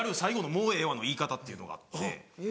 「もうええわ」の言い方っていうのがあって。